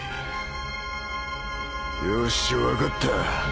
よし分かった。